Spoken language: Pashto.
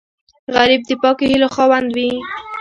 غریب د پاکو هیلو خاوند وي